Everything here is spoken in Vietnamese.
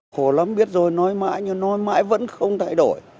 khổ lắm biết rồi nói mãi nhưng nói mãi vẫn không thay đổi